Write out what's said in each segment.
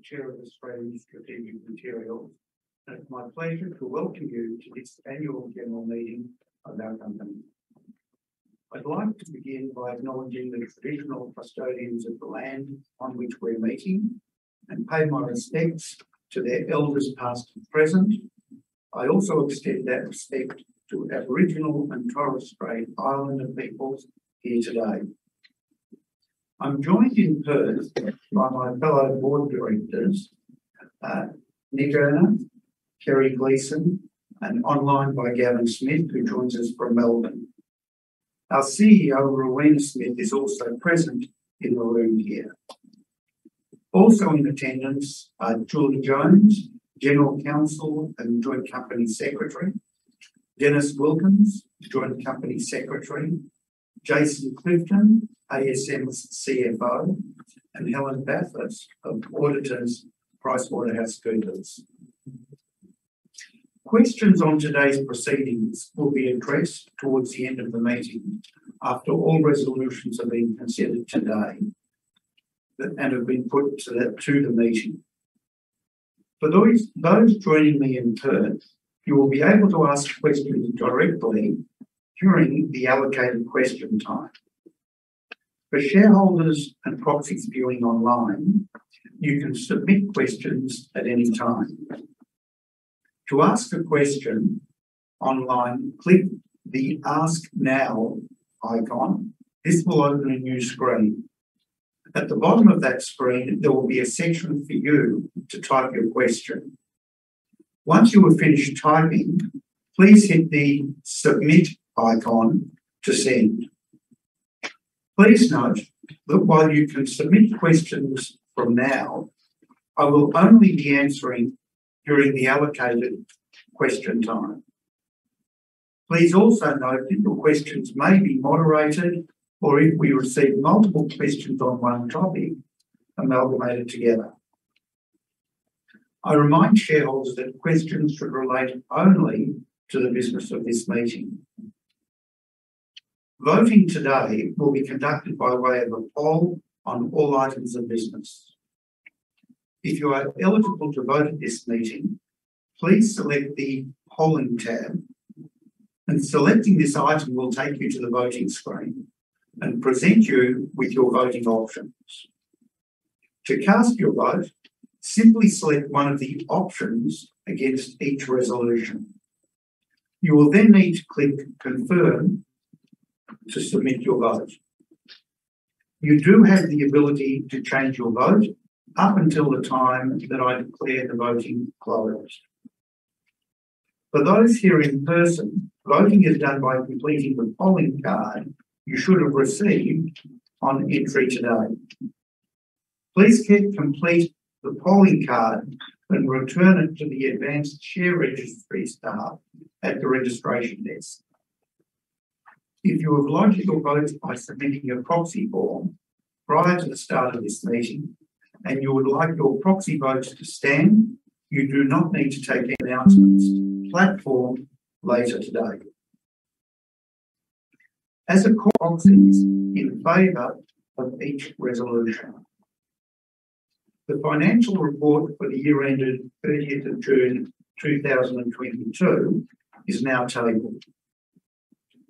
The Chair of Australian Strategic Materials. It's my pleasure to welcome you to this annual general meeting of our company. I'd like to begin by acknowledging the traditional custodians of the land on which we're meeting, and pay my respects to their elders, past and present. I also extend that respect to Aboriginal and Torres Strait Islander peoples here today. I'm joined in person by my fellow board directors, Nic Earner, Kerry Gleeson, and online by Gavin Smith, who joins us from Melbourne. Our CEO, Rowena Smith, is also present in the room here. Also in attendance are Julie Jones, General Counsel and Joint Company Secretary. Dennis Wilkins, Joint Company Secretary. Jason Clifton, ASM's CFO, and Helen Bathurst of auditors PricewaterhouseCoopers. Questions on today's proceedings will be addressed towards the end of the meeting after all resolutions have been considered today. Have been put to the meeting. For those joining me in person, you will be able to ask questions directly during the allocated question time. For shareholders and proxies viewing online, you can submit questions at any time. To ask a question online, click the Ask Now icon. This will open a new screen. At the bottom of that screen, there will be a section for you to type your question. Once you have finished typing, please hit the Submit icon to send. Please note that while you can submit questions from now, I will only be answering during the allocated question time. Please also note that your questions may be moderated, or if we receive multiple questions on one topic, amalgamated together. I remind shareholders that questions should relate only to the business of this meeting. Voting today will be conducted by way of a poll on all items of business. If you are eligible to vote at this meeting, please select the Polling tab, and selecting this item will take you to the voting screen and present you with your voting options. To cast your vote, simply select one of the options against each resolution. You will then need to click Confirm to submit your vote. You do have the ability to change your vote up until the time that I declare the voting closed. For those here in person, voting is done by completing the polling card you should have received on entry today. Please complete the polling card and return it to the Advanced Share Registry staff at the registration desk. If you have lodged your vote by submitting your proxy form prior to the start of this meeting, and you would like your proxy vote to stand, you do not need to take any announcements platform later today. As a proxies in favor of each resolution. The financial report for the year ended 30th of June 2022 is now tabled.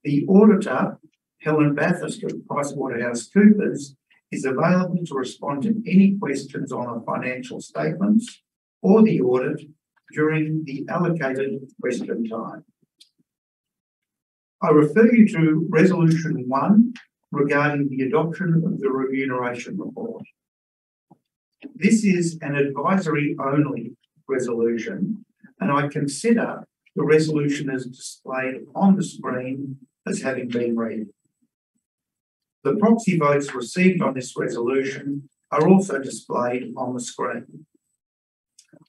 The auditor, Helen Bathurst of PricewaterhouseCoopers, is available to respond to any questions on our financial statements or the audit during the allocated question time. I refer you to resolution 1 regarding the adoption of the remuneration report. This is an advisory-only resolution, and I consider the resolution as displayed on the screen as having been read. The proxy votes received on this resolution are also displayed on the screen.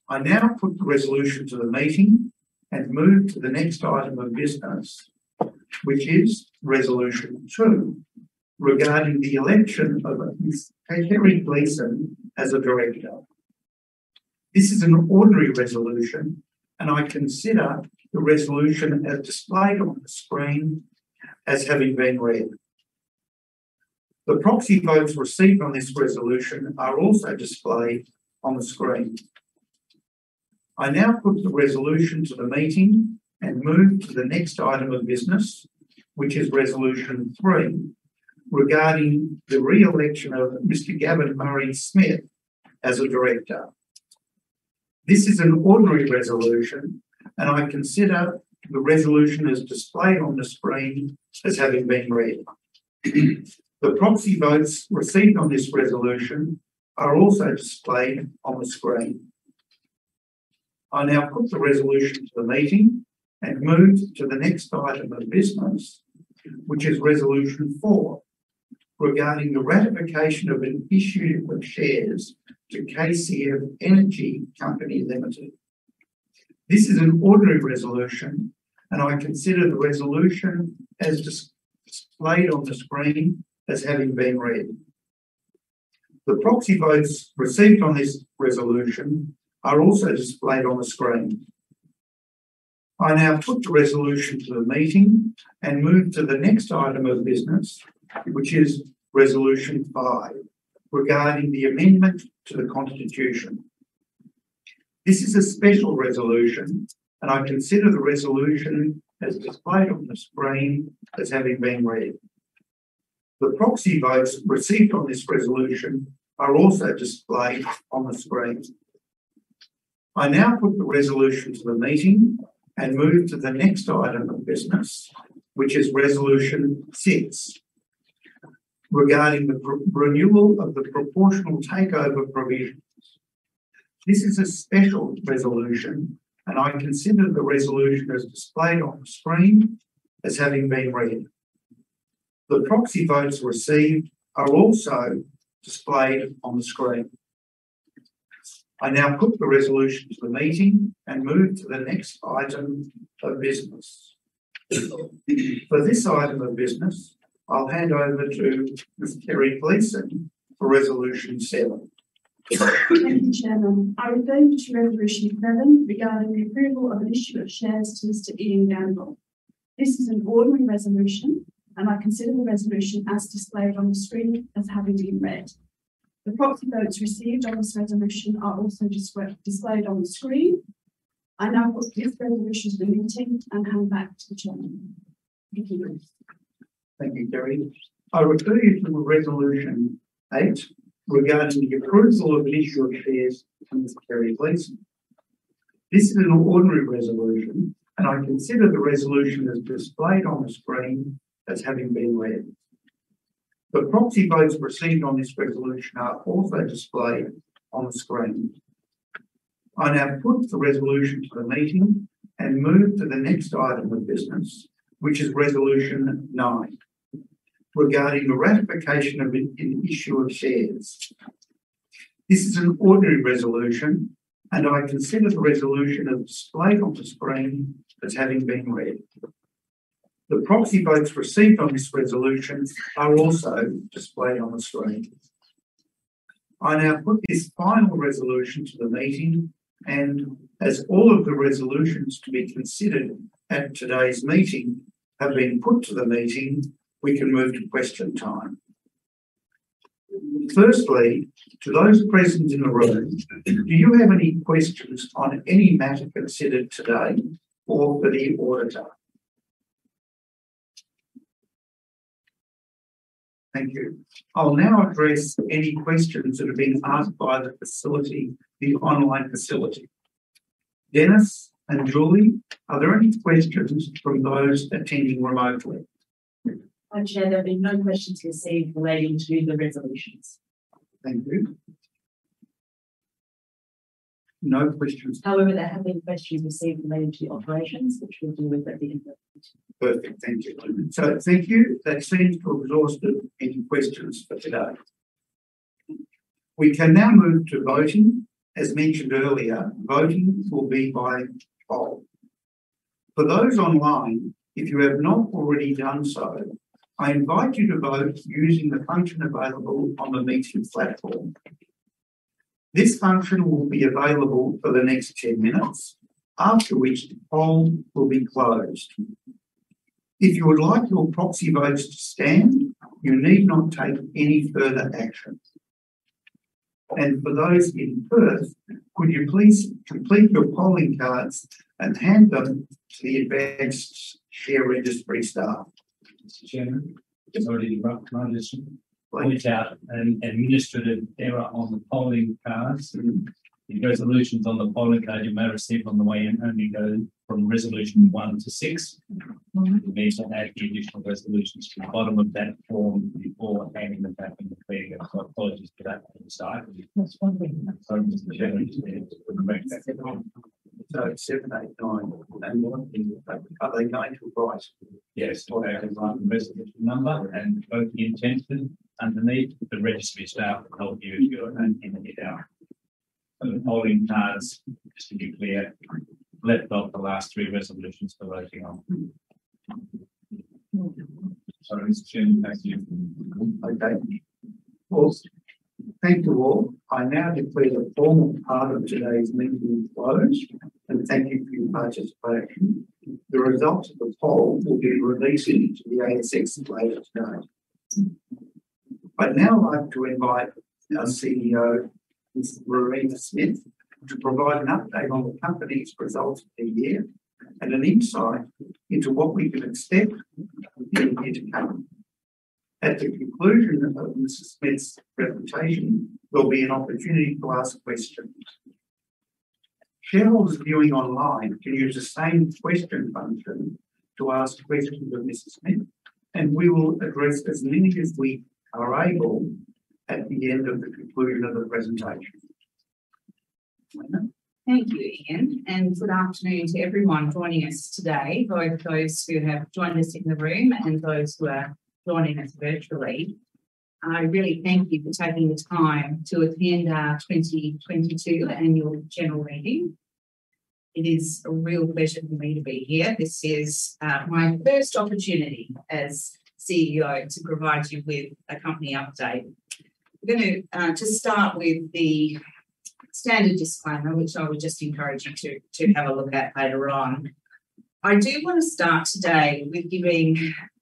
I now put the resolution to the meeting and move to the next item of business, which is Resolution 2 regarding the election of Miss Kerry Gleeson as a Director. This is an ordinary resolution, and I consider the resolution as displayed on the screen as having been read. The proxy votes received on this resolution are also displayed on the screen. I now put the resolution to the meeting and move to the next item of business, which is Resolution 3 regarding the re-election of Mr. Gavin Murray Smith as a Director. This is an ordinary resolution, and I consider the resolution as displayed on the screen as having been read. The proxy votes received on this resolution are also displayed on the screen. I now put the resolution to the meeting and move to the next item of business, which is Resolution 4 regarding the ratification of an issue of shares to KCM Energy Company Limited. This is an ordinary resolution, and I consider the resolution as displayed on the screen as having been read. The proxy votes received on this resolution are also displayed on the screen. I now put the resolution to the meeting and move to the next item of business, which is Resolution 5 regarding the amendment to the constitution. This is a special resolution, and I consider the resolution as displayed on the screen as having been read. The proxy votes received on this resolution are also displayed on the screen. I now put the resolution to the meeting and move to the next item of business, which is Resolution 6 regarding the renewal of the proportional takeover provisions. This is a special resolution, and I consider the resolution as displayed on the screen as having been read. The proxy votes received are also displayed on the screen. I now put the resolution to the meeting and move to the next item of business. For this item of business, I'll hand over to Ms. Kerry Gleeson for Resolution 7. Thank you, Chairman. I refer you to Resolution 7 regarding the approval of an issue of shares to Mr. Ian Gandel. This is an ordinary resolution. I consider the resolution as displayed on the screen as having been read. The proxy votes received on this resolution are also displayed on the screen. I now put this resolution to the meeting and hand back to the Chairman. Thank you. Thank you, Kerry. I refer you to Resolution 8 regarding the approval of an issue of shares to Ms. Kerry Gleeson. This is an ordinary resolution. I consider the resolution as displayed on the screen as having been read. The proxy votes received on this resolution are also displayed on the screen. I now put the resolution to the meeting. I move to the next item of business, which is Resolution 9 regarding the ratification of an issue of shares. This is an ordinary resolution. I consider the resolution as displayed on the screen as having been read. The proxy votes received on this resolution are also displayed on the screen. I now put this final resolution to the meeting. As all of the resolutions to be considered at today's meeting have been put to the meeting, we can move to question time. Firstly, to those present in the room, do you have any questions on any matter considered today or for the auditor? Thank you. I'll now address any questions that have been asked by the facility, the online facility. Dennis and Julie, are there any questions from those attending remotely? No, Chair. There have been no questions received relating to the resolutions. Thank you. No questions. There have been questions received relating to the operations, which we'll deal with at the end of the meeting. Perfect. Thank you. Thank you. That seems to have exhausted any questions for today. We can now move to voting. As mentioned earlier, voting will be by poll. For those online, if you have not already done so, I invite you to vote using the function available on the meeting platform. This function will be available for the next 10-minutes, after which the poll will be closed. If you would like your proxy votes to stand, you need not take any further action. For those in Perth, could you please complete your polling cards and hand them to the Advanced Share Registry staff. Mr. Chairman, if I may interrupt. Please. Can I just point out an administrative error on the polling cards. The resolutions on the polling card you may receive on the way in only go from resolution one to six. You'll need to add the additional resolutions to the bottom of that form before handing them back when you're cleared. Apologies for that oversight. That's fine. Thank you. Mr. Chairman, just need to correct that. Seven. It's seven, eight, nine. One, are they going to write? Yes... or? Their resolution number and voting intention underneath. The registry staff will help you- Sure... in there. The polling cards, just to be clear, left off the last three resolutions for voting on. Mr. Chairman, thank you. Okay. Of course. Thank you all. I now declare the formal part of today's meeting closed, and thank you for your participation. The result of the poll will be released to the ASX later today. I'd now like to invite our CEO, Ms. Rowena Smith, to provide an update on the company's results for the year and an insight into what we can expect in the year to come. At the conclusion of Ms. Smith's presentation, there'll be an opportunity to ask questions. Shareholders viewing online can use the same question function to ask questions of Mrs. Smith, and we will address as many as we are able at the end of the conclusion of the presentation. Thank you, Ian, and good afternoon to everyone joining us today, both those who have joined us in the room and those who are joining us virtually. I really thank you for taking the time to attend our 2022 annual general meeting. It is a real pleasure for me to be here. This is my first opportunity as CEO to provide you with a company update. I'm gonna just start with the standard disclaimer, which I would just encourage you to have a look at later on. I do wanna start today with giving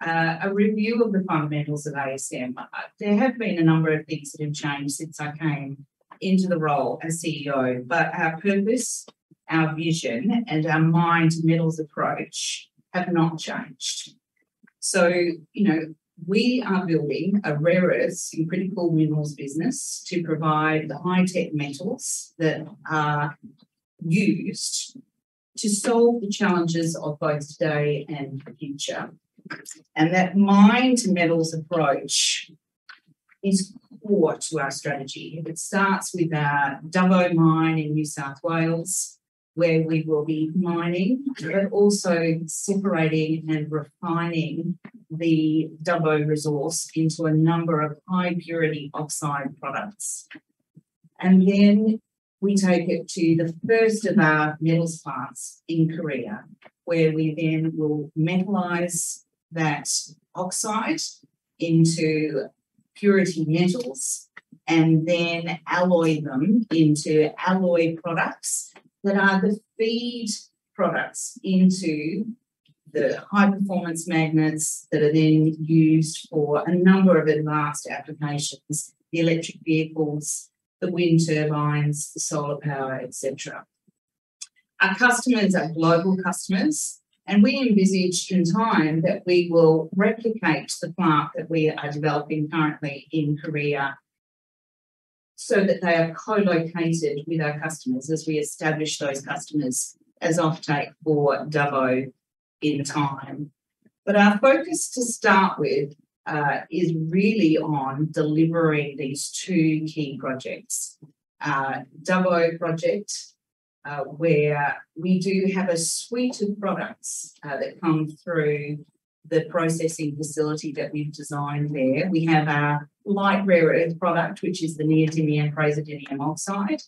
a review of the fundamentals of ASM. There have been a number of things that have changed since I came into the role as CEO. Our purpose, our vision, and our mine to metals approach have not changed. You know, we are building a rare earths and critical minerals business to provide the high-tech metals that are used to solve the challenges of both today and the future. That mine to metals approach is core to our strategy. It starts with our Dubbo mine in New South Wales, where we will be mining, but also separating and refining the Dubbo resource into a number of high purity oxide products. Then we take it to the first of our metals plants in Korea, where we then will metallize that oxide into purity metals, and then alloy them into alloy products that are the feed products into the high performance magnets that are then used for a number of advanced applications. The electric vehicles, the wind turbines, the solar power, et cetera. Our customers are global customers, and we envisage in time that we will replicate the plant that we are developing currently in Korea, so that they are co-located with our customers as we establish those customers as offtake for Dubbo in time. Our focus to start with is really on delivering these two key projects. Dubbo project, where we do have a suite of products that come through the processing facility that we've designed there. We have our light rare earth product, which is the neodymium-praseodymium oxide.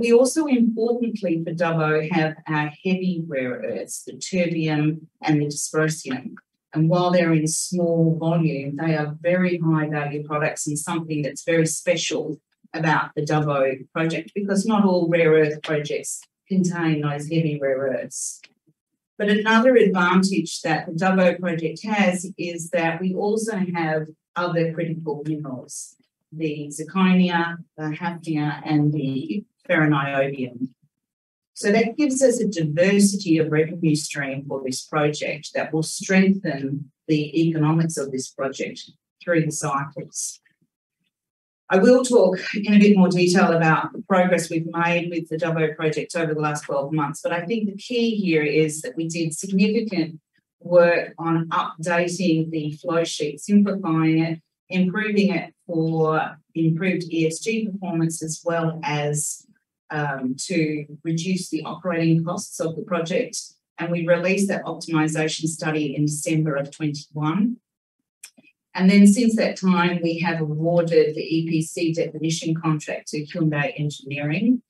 We also importantly for Dubbo have our heavy rare earths, the terbium and the dysprosium. While they're in small volume, they are very high value products and something that's very special about the Dubbo project, because not all rare earth projects contain those heavy rare earths. Another advantage that the Dubbo Project has is that we also have other critical minerals. The zirconia, the hafnia, and the ferro-niobium. That gives us a diversity of revenue stream for this project that will strengthen the economics of this project through the cycles. I will talk in a bit more detail about the progress we've made with the Dubbo Project over the last 12 months, but I think the key here is that we did significant work on updating the flow sheet, simplifying it, improving it for improved ESG performance, as well as to reduce the operating costs of the project. We released that optimization study in December of 2021. Since that time, we have awarded the EPC Definition contract to Hyundai Engineering.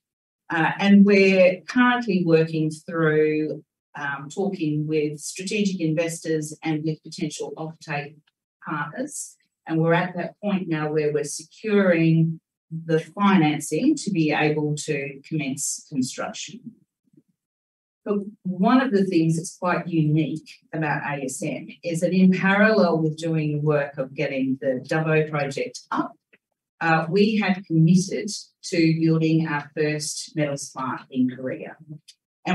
We're currently working through talking with strategic investors and with potential offtake partners. We're at that point now where we're securing the financing to be able to commence construction. One of the things that's quite unique about ASM is that in parallel with doing the work of getting the Dubbo Project up, we have committed to building our first metals plant in Korea.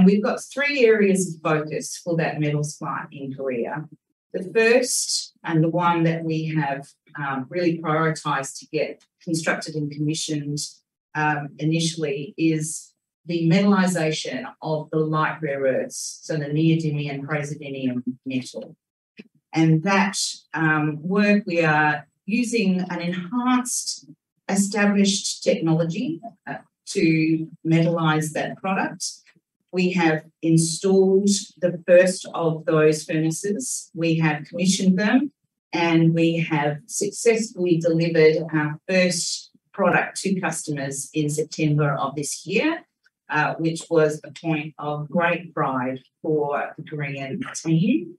We've got three areas of focus for that metals plant in Korea. The first, and the one that we have, really prioritized to get constructed and commissioned, initially is the metallization of the light rare earths, so the neodymium praseodymium metal. That work we are using an enhanced established technology to metallize that product. We have installed the first of those furnaces. We have commissioned them, and we have successfully delivered our first product to customers in September of this year, which was a point of great pride for the Korean team.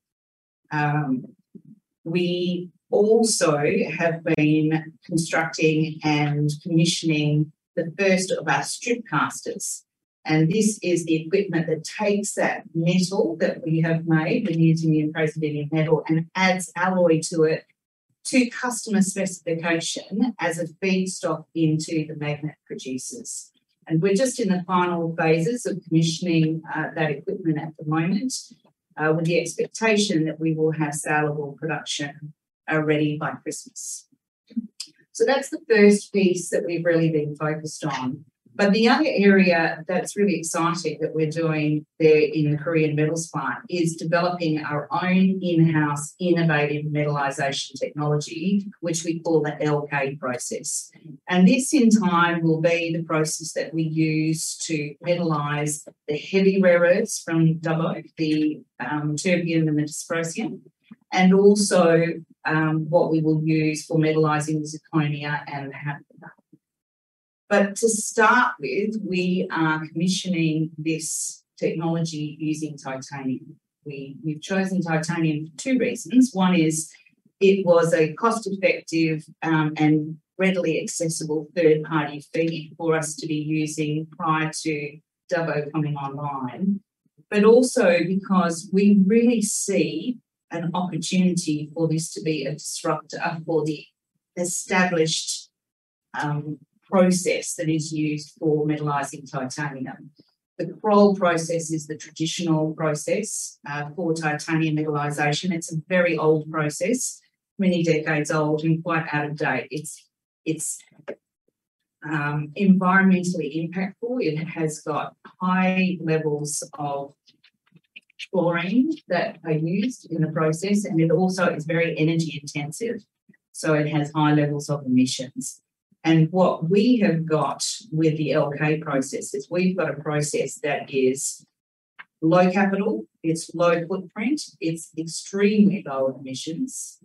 We also have been constructing and commissioning the first of our strip casters, and this is the equipment that takes that metal that we have made, the neodymium praseodymium metal, and adds alloy to it to customer specification as a feedstock into the magnet producers. We're just in the final phases of commissioning that equipment at the moment, with the expectation that we will have saleable production ready by Christmas. That's the first piece that we've really been focused on. The other area that's really exciting that we're doing there in the Korean Metals Plant is developing our own in-house innovative metallization technology, which we call the LK Process. This in time will be the process that we use to metallize the heavy rare earths from Dubbo, the terbium and the dysprosium, and also what we will use for metallizing the zirconia and hafnium. But to start with, we are commissioning this technology using titanium. We've chosen titanium for two reasons. One is, it was a cost-effective, and readily accessible third-party feed for us to be using prior to Dubbo coming online. Also because we really see an opportunity for this to be a disruptor for the established process that is used for metallizing titanium. The Kroll process is the traditional process for titanium metallization. It's a very old process, many decades old and quite out of date. It's environmentally impactful, and it has got high levels of chlorine that are used in the process, and it also is very energy intensive, so it has high levels of emissions. What we have got with the LK Process is we've got a process that is low capital, it's low footprint, it's extremely low emissions,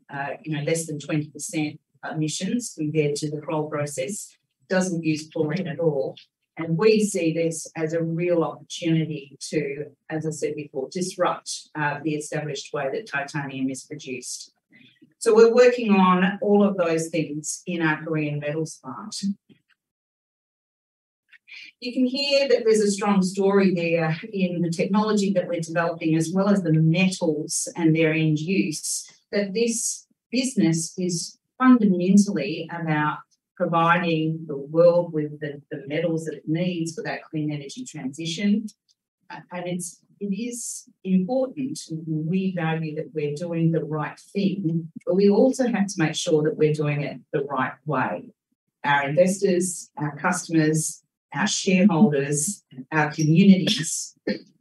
you know, less than 20% emissions compared to the Kroll Process. Doesn't use chlorine at all. We see this as a real opportunity to, as I said before, disrupt the established way that titanium is produced. We're working on all of those things in our Korean Metals Plant. You can hear that there's a strong story there in the technology that we're developing, as well as the metals and their end use, that this business is fundamentally about providing the world with the metals that it needs for that clean energy transition. It's, it is important, and we value that we're doing the right thing. We also have to make sure that we're doing it the right way. Our investors, our customers, our shareholders, our communities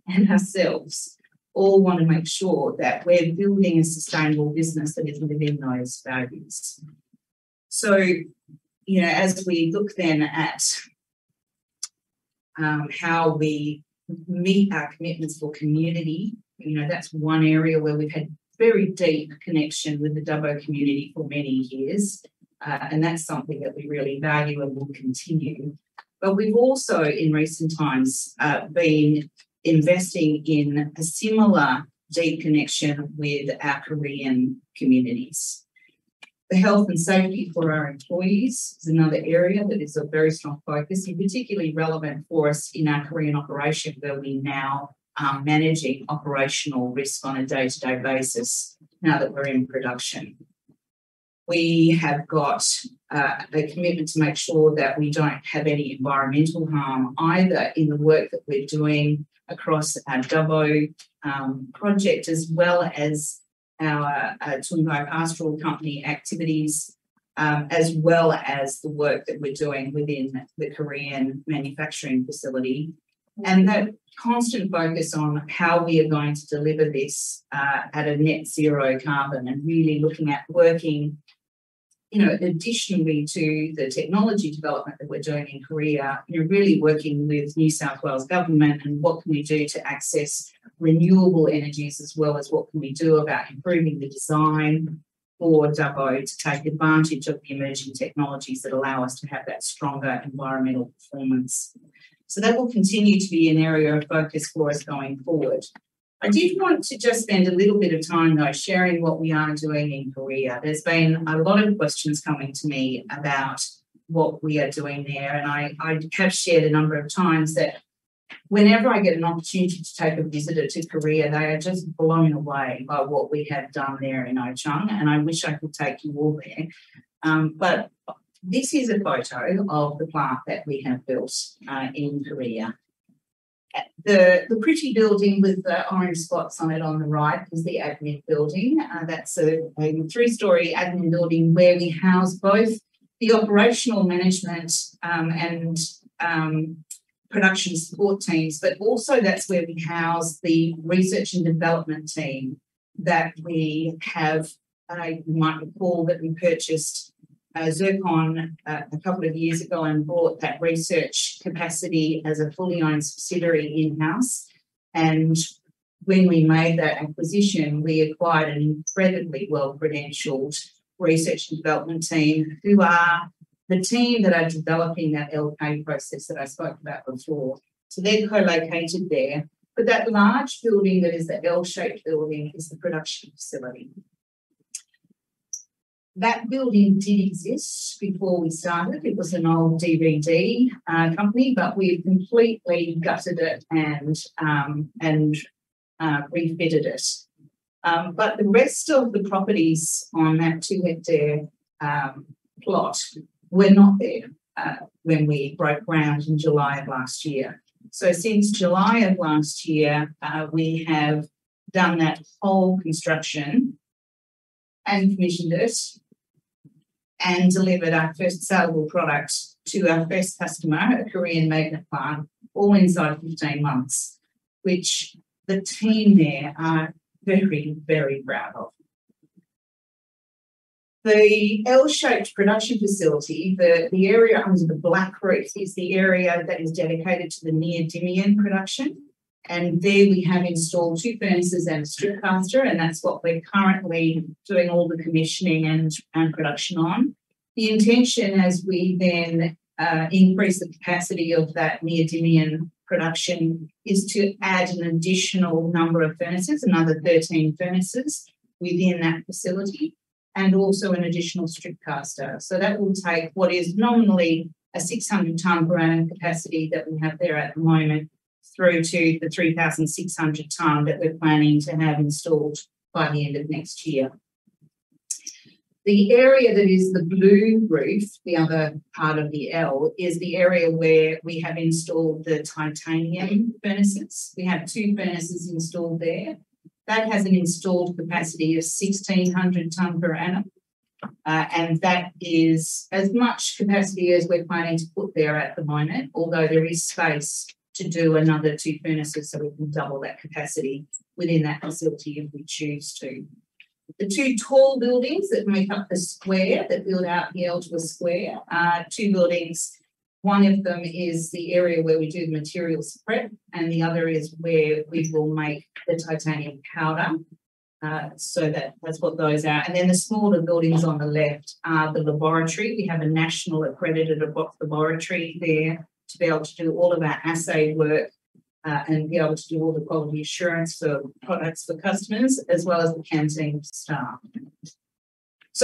and ourselves all want to make sure that we're building a sustainable business that is living those values. You know, as we look then at how we meet our commitments for community, you know, that's one area where we've had very deep connection with the Dubbo community for many years. That's something that we really value and will continue. We've also, in recent times, been investing in a similar deep connection with our Korean communities. The health and safety for our employees is another area that is a very strong focus, and particularly relevant for us in our Korean operation, where we now are managing operational risk on a day-to-day basis now that we're in production. We have got the commitment to make sure that we don't have any environmental harm, either in the work that we're doing across our Dubbo Project, as well as our Toongi Pastoral Company activities, as well as the work that we're doing within the Korean manufacturing facility. That constant focus on how we are going to deliver this at a net zero carbon and really looking at working, you know, additionally to the technology development that we're doing in Korea. You're really working with New South Wales Government and what can we do to access renewable energies, as well as what can we do about improving the design for Dubbo to take advantage of the emerging technologies that allow us to have that stronger environmental performance. That will continue to be an area of focus for us going forward. I did want to just spend a little bit of time though sharing what we are doing in Korea. There's been a lot of questions coming to me about what we are doing there. I have shared a number of times that whenever I get an opportunity to take a visitor to Korea, they are just blown away by what we have done there in Ochang, and I wish I could take you all there. This is a photo of the plant that we have built in Korea. The pretty building with the orange spots on it on the right is the admin building. That's a three-story admin building where we house both the operational management and production support teams. Also that's where we house the research and development team that we have. You might recall that we purchased Ziron Tech a couple of years ago and bought that research capacity as a fully owned subsidiary in-house. When we made that acquisition, we acquired an incredibly well-credentialed research and development team who are the team that are developing that LK Process that I spoke about before. They're co-located there. That large building, that is the L-shaped building, is the production facility. That building did exist before we started. It was an old DVD company, but we have completely gutted it and refitted it. The rest of the properties on that 2-hectare plot were not there when we broke ground in July of last year. Since July of last year, we have done that whole construction and commissioned it and delivered our first saleable product to our first customer, a Korean magnet plant, all inside 15 months, which the team there are very, very proud of. The L-shaped production facility, the area under the black roof is the area that is dedicated to the neodymium production. There we have installed two furnaces and a strip caster, and that's what we're currently doing all the commissioning and production on. The intention as we then increase the capacity of that neodymium production is to add an additional number of furnaces, another 13 furnaces within that facility, and also an additional strip caster. That will take what is normally a 600 tons per annum capacity that we have there at the moment through to the 3,600 tons that we're planning to have installed by the end of next year. The area that is the blue roof, the other part of the L, is the area where we have installed the titanium furnaces. We have two furnaces installed there. That has an installed capacity of 1,600 tons per annum. That is as much capacity as we're planning to put there at the moment, although there is space to do another two furnaces. We can double that capacity within that facility if we choose to. The two tall buildings that make up the square, that build out the L to a square, are two buildings. One of them is the area where we do the material spread, and the other is where we will make the titanium powder. That's what those are. Then the smaller buildings on the left are the laboratory. We have a national accredited laboratory there to be able to do all of our assay work and be able to do all the quality assurance for products for customers as well as the canteen staff.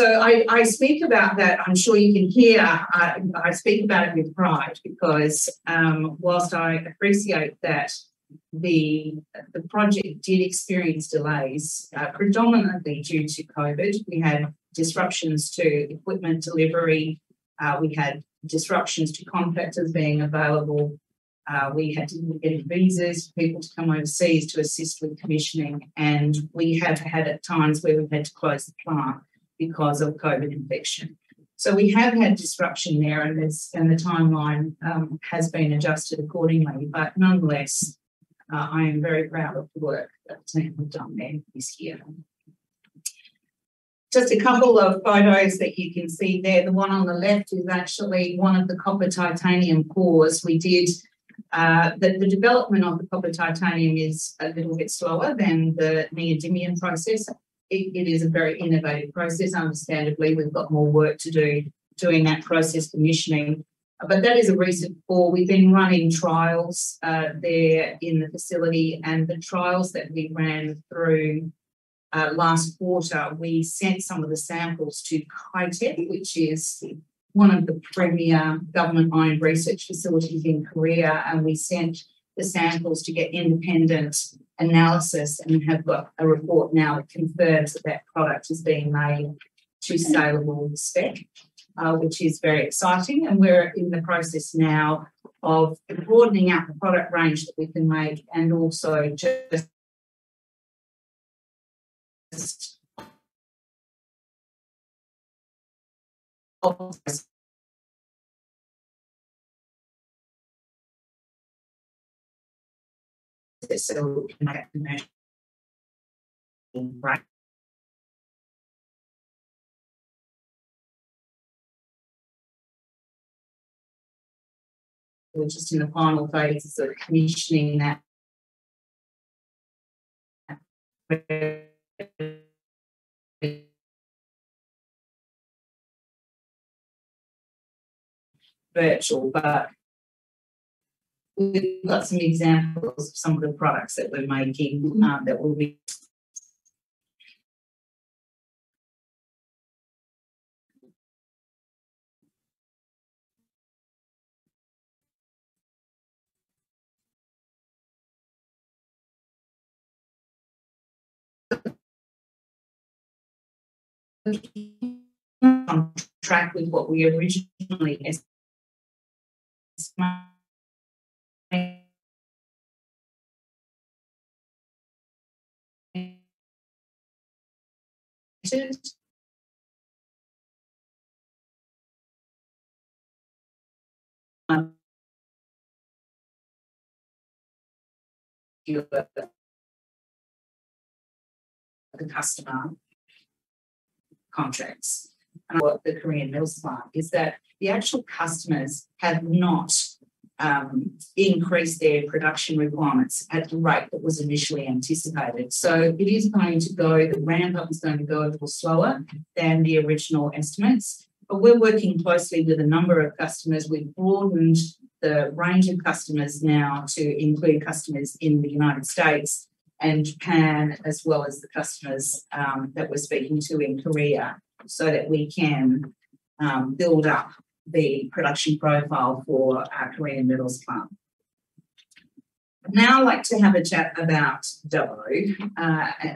I speak about that, I'm sure you can hear, I speak about it with pride because, whilst I appreciate that the project did experience delays, predominantly due to COVID. We had disruptions to equipment delivery. We had disruptions to contractors being available. We had to get visas for people to come overseas to assist with commissioning, and we have had at times where we've had to close the plant because of COVID infection. We have had disruption there, and the timeline has been adjusted accordingly. Nonetheless, I am very proud of the work that the team have done there this year. Just a couple of photos that you can see there. The one on the left is actually one of the copper titanium pours we did. The development of the copper titanium is a little bit slower than the neodymium process. It is a very innovative process. Understandably, we've got more work to do doing that process commissioning. That is a recent pour. We've been running trials there in the facility, and the trials that we ran through last quarter, we sent some of the samples to KITECH, which is one of the premier government-owned research facilities in Korea. We sent the samples to get independent analysis, and we have got a report now that confirms that that product is being made to saleable spec, which is very exciting. We're in the process now of broadening out the product range that we can make and also. We're just in the final phases of commissioning that--Virtual. We've got some examples of some of the products that we're making now that will be on track with what we originally. The customer contracts. What the Korean Metals Plant is that the actual customers have not increased their production requirements at the rate that was initially anticipated. It is going to go, the ramp-up is going to go a little slower than the original estimates. We're working closely with a number of customers. We've broadened the range of customers now to include customers in the United States and Japan, as well as the customers that we're speaking to in Korea, so that we can build up the production profile for our Korean Metals Plant. Now I'd like to have a chat about Dubbo,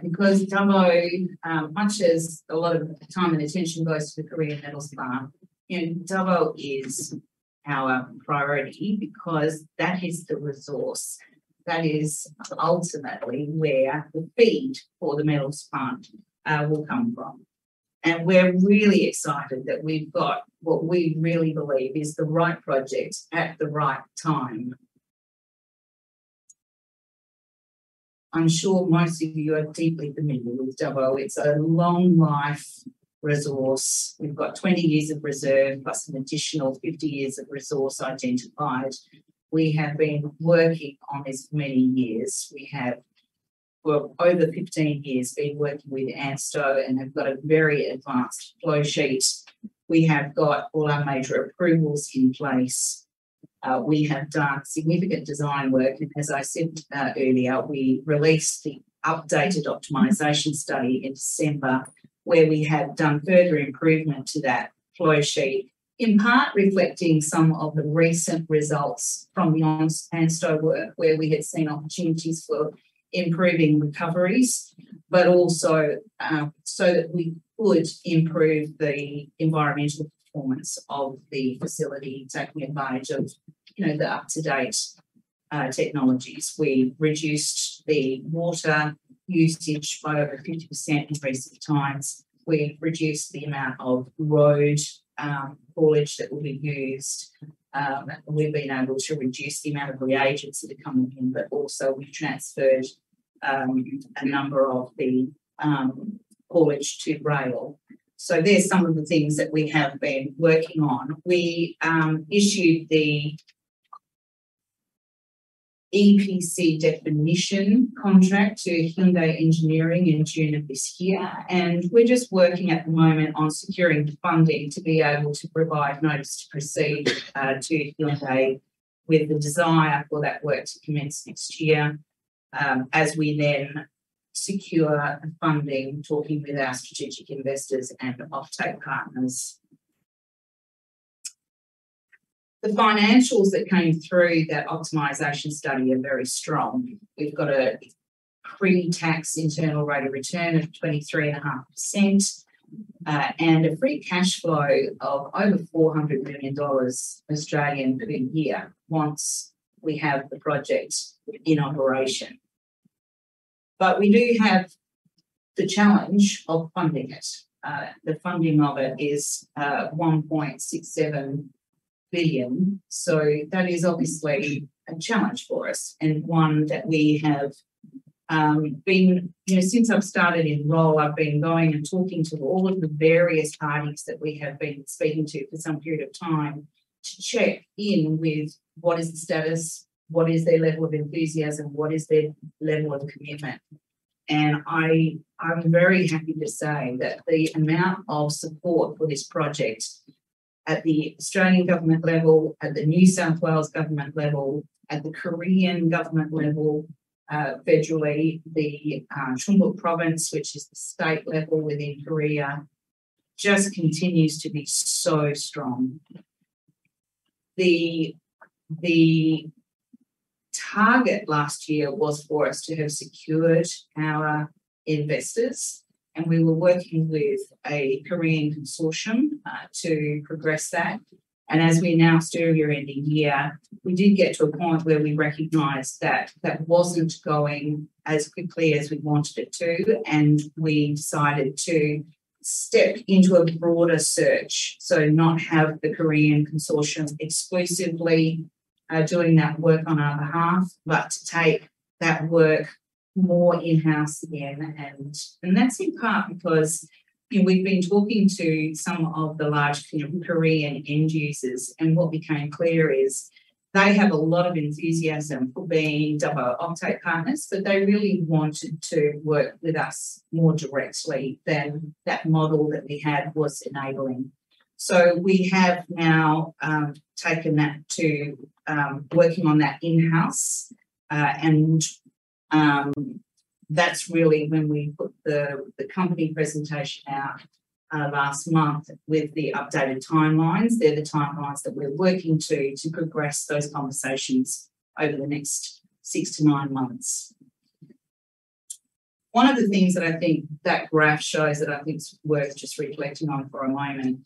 because Dubbo, much as a lot of time and attention goes to the Korean Metals Plant, you know, Dubbo is our priority because that is the resource. That is ultimately where the feed for the metals plant will come from. We're really excited that we've got what we really believe is the right project at the right time. I'm sure most of you are deeply familiar with Dubbo. It's a long life resource. We've got 20 years of reserve, plus an additional 50 years of resource identified. We have been working on this many years. We have, for over 15 years, been working with ANSTO, and have got a very advanced flow sheet. We have got all our major approvals in place. We have done significant design work. As I said, earlier, we released the updated optimization study in December, where we had done further improvement to that flow sheet, in part reflecting some of the recent results from the ANSTO work, where we had seen opportunities for improving recoveries. Also, so that we could improve the environmental performance of the facility, taking advantage of, you know, the up-to-date technologies. We reduced the water usage by over 50% in recent times. We reduced the amount of road haulage that will be used. We've been able to reduce the amount of reagents that are coming in, but also we transferred a number of the haulage to rail. There's some of the things that we have been working on. We issued the EPC Definition contract to Hyundai Engineering in June of this year. We're just working at the moment on securing the funding to be able to provide notice to proceed to Hyundai, with the desire for that work to commence next year, as we then secure the funding, talking with our strategic investors and the offtake partners. The financials that came through that optimization study are very strong. We've got a pre-tax internal rate of return of 23.5%, and a free cash flow of over 400 million dollars per year once we have the project in operation. We do have the challenge of funding it. The funding of it is 1.67 billion, that is obviously a challenge for us, and one that we have been- You know, since I've started in role, I've been going and talking to all of the various parties that we have been speaking to for some period of time to check in with what is the status, what is their level of enthusiasm, what is their level of commitment. I'm very happy to say that the amount of support for this project at the Australian Government level, at the New South Wales Government level, at the Korean Government level, federally, the Chungbuk Province, which is the state level within Korea, just continues to be so strong. The target last year was for us to have secured our investors, we were working with a Korean Consortium to progress that. As we announced earlier in the year, we did get to a point where we recognized that that wasn't going as quickly as we wanted it to. We decided to step into a broader search, so not have the Korean consortium exclusively doing that work on our behalf, but to take that work more in-house again. That's in part because, you know, we've been talking to some of the large, you know, Korean end users. What became clear is they have a lot of enthusiasm for being Dubbo offtake partners, but they really wanted to work with us more directly than that model that we had was enabling. We have now taken that to working on that in-house. And that's really when we put the company presentation out last month with the updated timelines. They're the timelines that we're working to to progress those conversations over the next six to nine months. One of the things that I think that graph shows that I think's worth just reflecting on for a moment,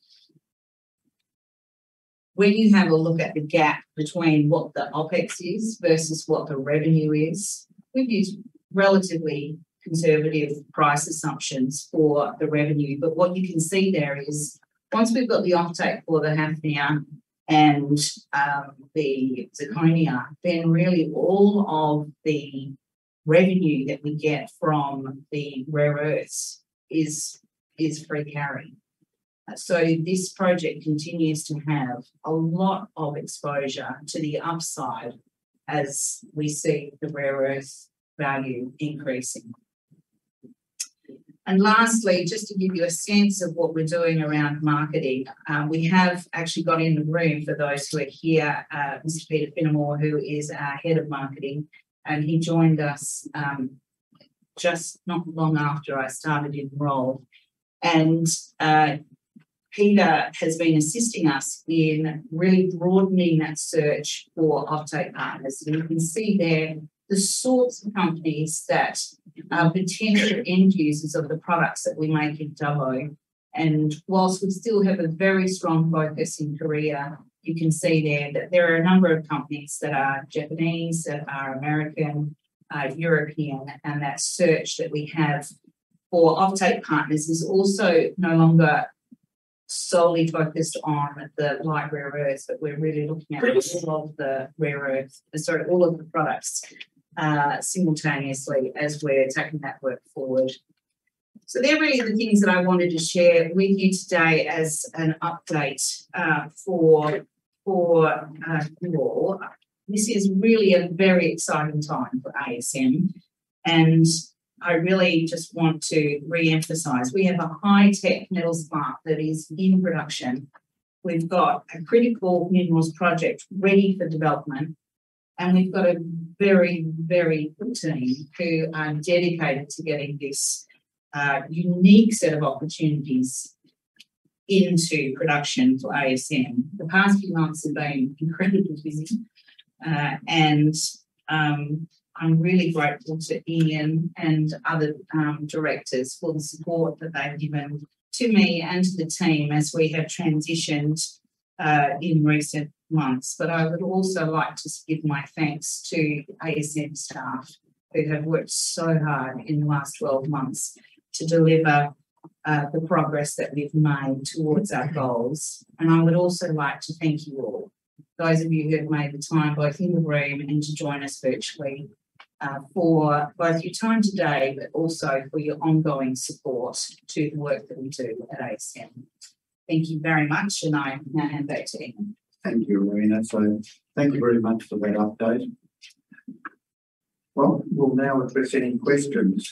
when you have a look at the gap between what the OpEx is versus what the revenue is, we've used relatively conservative price assumptions for the revenue. What you can see there is once we've got the offtake for the hafnium and the zirconia, then really all of the revenue that we get from the rare earths is free carry. This project continues to have a lot of exposure to the upside as we see the rare earth value increasing. Lastly, just to give you a sense of what we're doing around marketing, we have actually got in the room for those who are here, Mr. Peter Finnimore, who is our Head of Marketing, and he joined us, just not long after I started in role. Peter has been assisting us in really broadening that search for offtake partners. You can see there the sorts of companies that are potential end users of the products that we make in Dubbo. Whilst we still have a very strong focus in Korea, you can see there that there are a number of companies that are Japanese, that are American, European. That search that we have for offtake partners is also no longer solely focused on the light rare earths, but we're really looking at all of the rare earths. Sorry, all of the products simultaneously as we're taking that work forward. They're really the things that I wanted to share with you today as an update for you all. This is really a very exciting time for ASM. I really just want to re-emphasize, we have a high tech metal SPARC that is in production. We've got a critical minerals project ready for development. We've got a very, very good team who are dedicated to getting this unique set of opportunities into production for ASM. The past few months have been incredibly busy. I'm really grateful to Ian and other directors for the support that they've given to me and to the team as we have transitioned in recent months. I would also like to give my thanks to ASM staff, who have worked so hard in the last 12 months to deliver the progress that we've made towards our goals. I would also like to thank you all, those of you who have made the time, both in the room and to join us virtually, for both your time today, but also for your ongoing support to the work that we do at ASM. Thank you very much. I now hand back to Ian. Thank you, Rowena. Thank you very much for that update. Well, we'll now address any questions.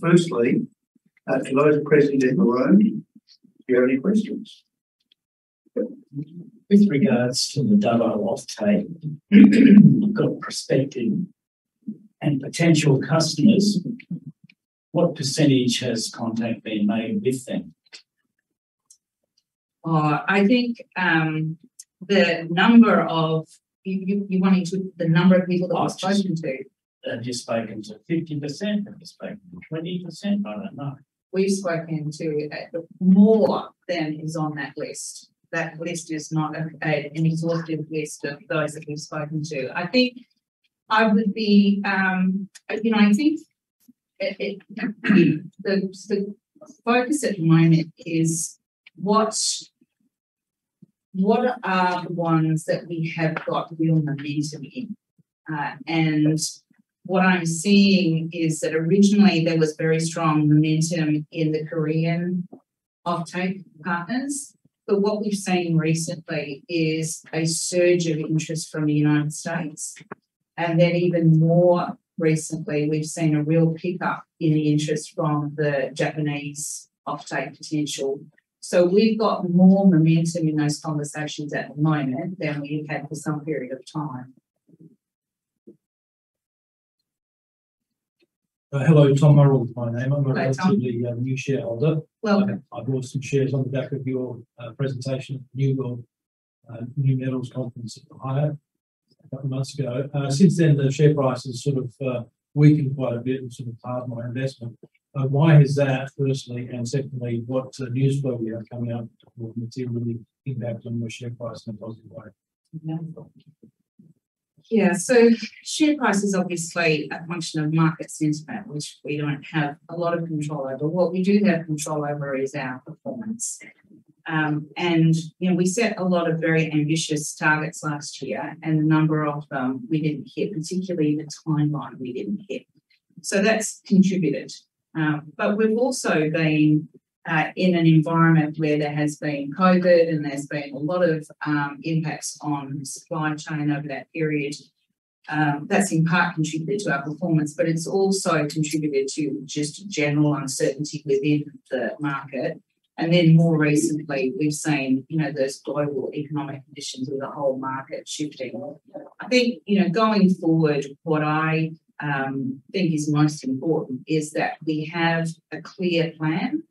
firstly, for those present in the room, do you have any questions? With regards to the Dubbo offtake, you've got prospective and potential customers. What percentage has contact been made with them? I think, you're wanting to the number of people that we've spoken to? That you've spoken to. 50% that we've spoken, 20%, I don't know. We've spoken to, more than is on that list. That list is not a, an exhaustive list of those that we've spoken to. I think I would be, you know, I think the focus at the moment is what are the ones that we have got real momentum in. What I'm seeing is that originally there was very strong momentum in the Korean offtake partners. What we've seen recently is a surge of interest from the United States, even more recently, we've seen a real pick up in the interest from the Japanese offtake potential. We've got more momentum in those conversations at the moment than we have had for some period of time. Hello, Tom Murrell is my name. Hey, Tom. I'm a relatively new shareholder. Welcome. I bought some shares on the back of your presentation at New World Metals Conference in Ohio a couple months ago. Since then the share price has sort of weakened quite a bit and sort of halved my investment. Why is that, firstly, and secondly, what news flow do we have coming up that will materially impact on the share price in a positive way? Thank you. Yeah. Share price is obviously a function of market sentiment, which we don't have a lot of control over. What we do have control over is our performance. You know, we set a lot of very ambitious targets last year, and a number of them we didn't hit, particularly the timeline we didn't hit. That's contributed. We've also been in an environment where there has been COVID and there's been a lot of impacts on supply chain over that period. That's in part contributed to our performance, but it's also contributed to just general uncertainty within the market. More recently we've seen, you know, those global economic conditions with the whole market shifting. I think, you know, going forward, what I think is most important is that we have a clear plan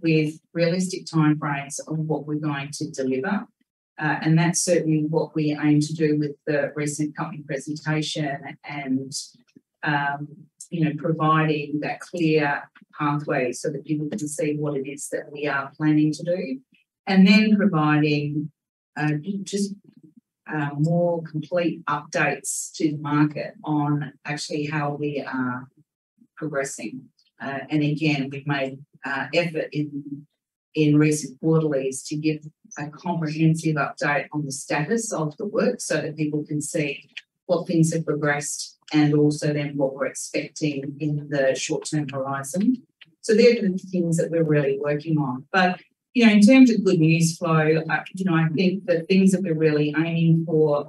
with realistic timeframes on what we're going to deliver. That's certainly what we aim to do with the recent company presentation and, you know, providing that clear pathway so that people can see what it is that we are planning to do. Then providing just more complete updates to the market on actually how we are progressing. Again, we've made effort in recent quarterlies to give a comprehensive update on the status of the work so that people can see what things have progressed and also then what we're expecting in the short-term horizon. They're the things that we're really working on. You know, in terms of good news flow, you know, I think the things that we're really aiming for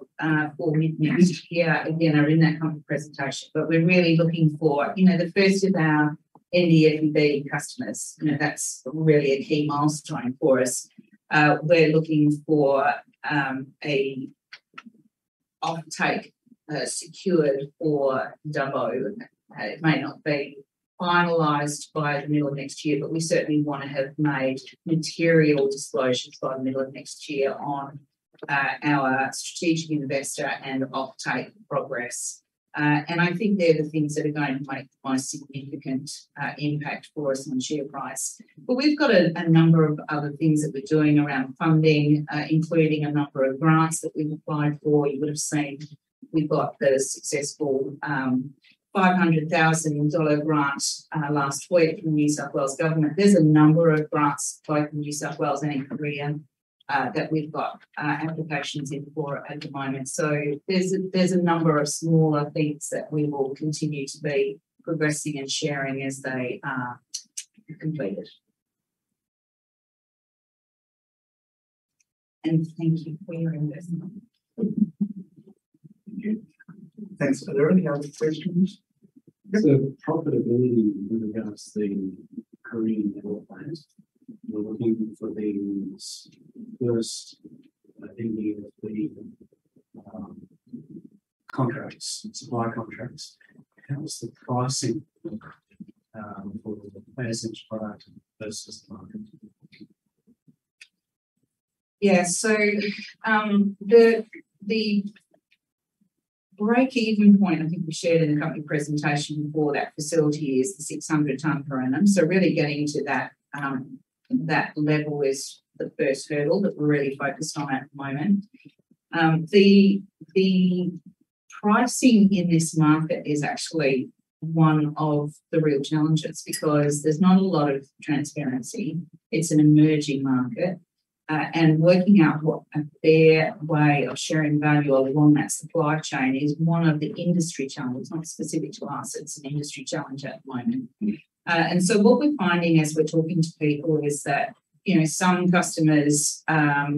for mid-next year, again, are in that company presentation. We're really looking for, you know, the first of our NdFeB customers. You know, that's really a key milestone for us. We're looking for a offtake secured for Dubbo. It may not be finalized by the middle of next year, but we certainly wanna have made material disclosures by the middle of next year on our strategic investor and offtake progress. I think they're the things that are going to make a significant impact for us on share price. We've got a number of other things that we're doing around funding, including a number of grants that we've applied for. You would have seen We got the successful $500,000 grant last week from the New South Wales Government. There's a number of grants, both in New South Wales and in Korea, that we've got applications in for at the moment. There's a number of smaller things that we will continue to be progressing and sharing as they are completed. Thank you for your investment. Thank you. Thanks. Are there any other questions? Yep. Profitability with regards the Korean Metals Plant. We're looking for the first, I think they are the contracts, supply contracts. How's the pricing for the passage product versus the market? Yeah. The breakeven point I think we shared in the company presentation for that facility is the 600 tons per annum. Really getting to that level is the first hurdle that we're really focused on at the moment. The pricing in this market is actually one of the real challenges because there's not a lot of transparency. It's an emerging market, and working out what a fair way of sharing value along that supply chain is one of the industry challenges, not specific to us, it's an industry challenge at the moment. What we're finding as we're talking to people is that, you know, some customers are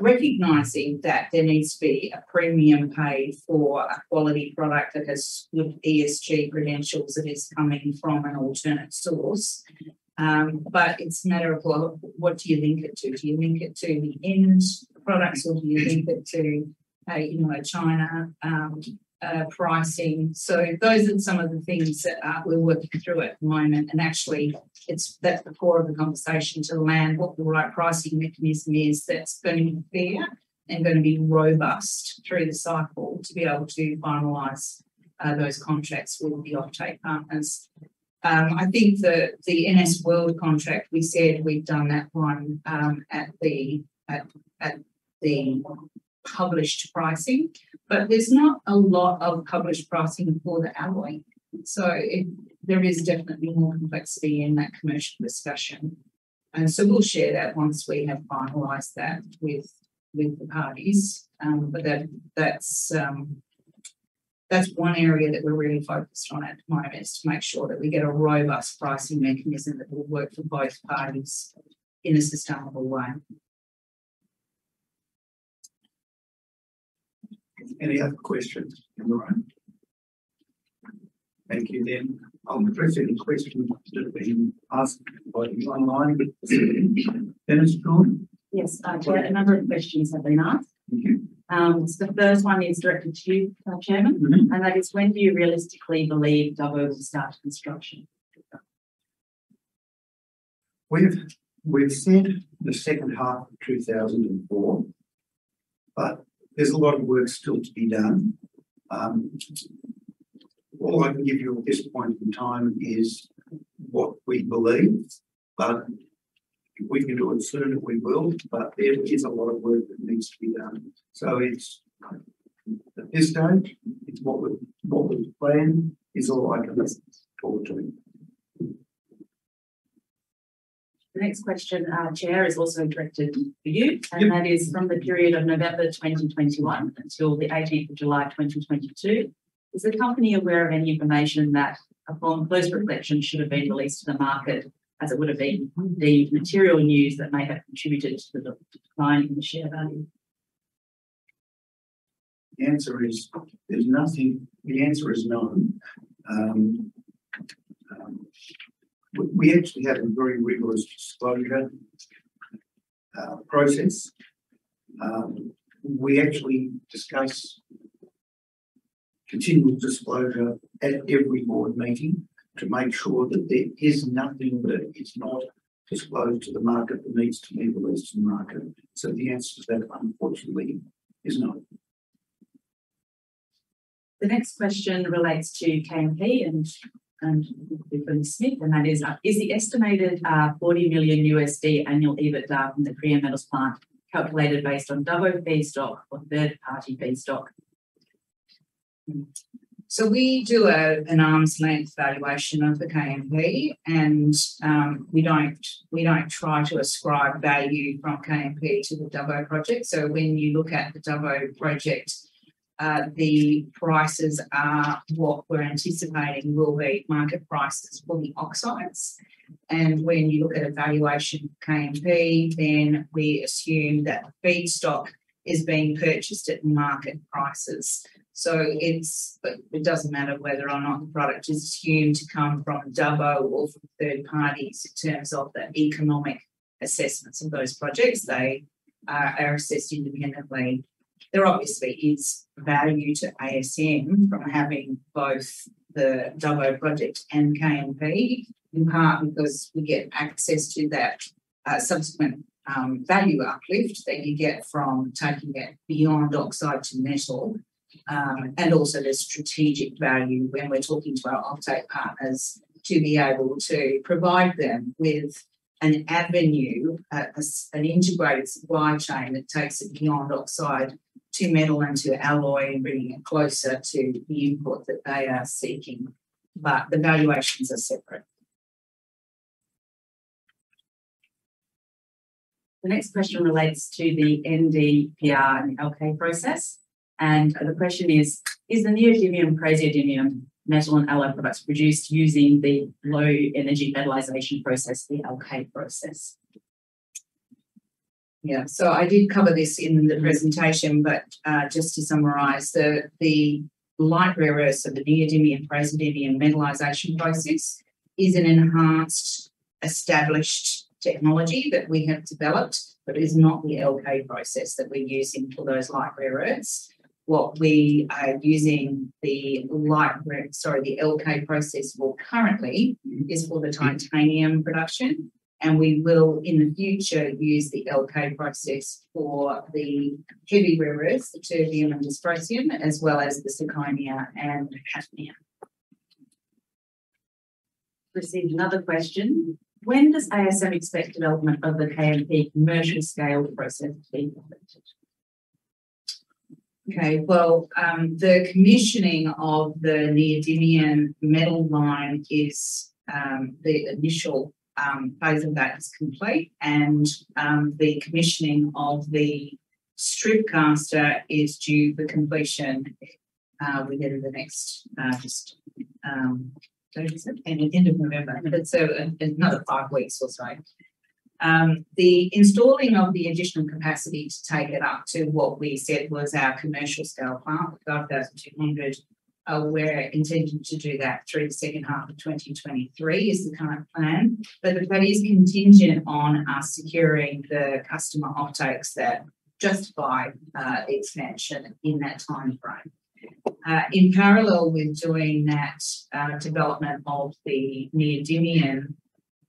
recognizing that there needs to be a premium paid for a quality product that has good ESG credentials that is coming from an alternate source. It's a matter of well, what do you link it to? Do you link it to the end products or do you link it to, say, you know, China pricing? Those are some of the things that we're working through at the moment and actually it's, that's the core of the conversation to land what the right pricing mechanism is that's going to be fair and going to be robust through the cycle to be able to finalize those contracts with the offtake partners. I think the NS World contract, we said we've done that one at the published pricing, but there's not a lot of published pricing for the alloy. There is definitely more complexity in that commercial discussion. We'll share that once we have finalized that with the parties. That's one area that we're really focused on at the moment is to make sure that we get a robust pricing mechanism that will work for both parties in a sustainable way. Any other questions in the room? Thank you. I'll address any questions that have been asked by you online. Dennis Chong? Chair, a number of questions have been asked. Thank you. The first one is directed to you, Chair. That is when do you realistically believe Dubbo will start construction? We've said the second half of 2024, but there's a lot of work still to be done. All I can give you at this point in time is what we believe, but if we can do it sooner, we will. There is a lot of work that needs to be done. It's, at this stage, it's what we plan is all I can talk to. The next question, Chair, is also directed for you. Yep. That is from the period of November 2021 until the 18th of July 2022. Is the company aware of any information that, upon close reflection, should have been released to the market as it would have been the material news that may have contributed to the decline in the share value? The answer is there's nothing. The answer is no. We actually have a very rigorous disclosure process. We actually discuss continual disclosure at every board meeting to make sure that there is nothing that is not disclosed to the market that needs to be released to the market. The answer to that, unfortunately, is no. The next question relates to KMP and Smith, and that is: is the estimated, $40 million Annual EBITDA from the Korean Metals Plant calculated based on Dubbo feedstock or third-party feedstock? We do an arm's length valuation of the KMP and we don't try to ascribe value from KMP to the Dubbo Project. When you look at the Dubbo Project, the prices are what we're anticipating will be market prices for the oxides. When you look at a valuation of KMP, then we assume that the feedstock is being purchased at market prices. It's, it doesn't matter whether or not the product is assumed to come from Dubbo or from third parties in terms of the economic assessments of those projects. They are assessed independently. There obviously is value to ASM from having both the Dubbo Project and KMP, in part because we get access to that subsequent value uplift that you get from taking it beyond oxide to metal. Also there's strategic value when we're talking to our offtake partners to be able to provide them with an avenue as an integrated supply chain that takes it beyond oxide to metal and to alloy and bringing it closer to the input that they are seeking. The valuations are separate. The next question relates to the NDPR and LK Process, and the question is: Is the Neodymium Praseodymium metal and alloy products produced using the low-energy metallization process, the LK Process? I did cover this in the presentation, but, just to summarize, the light rare earths of the neodymium praseodymium metallization process is an enhanced, established technology that we have developed, but is not the LK Process that we're using for those light rare earths. We are using the light rare-- sorry, the LK Process for currently is for the titanium production, and we will, in the future, use the LK Process for the heavy rare earths, the terbium and dysprosium, as well as the zirconia and hafnium. Received another question. When does ASM expect development of the KMP commercial scale process to be completed? The commissioning of the neodymium metal mine is the initial phase of that is complete, and the commissioning of the strip caster is due for completion within the next just 30, end of November. Another five weeks or so. The installing of the additional capacity to take it up to what we said was our commercial scale plant, the 5,200, we're intending to do that through the second half of 2023, is the current plan. The plan is contingent on us securing the customer offtakes that justify expansion in that timeframe. In parallel with doing that, development of the neodymium,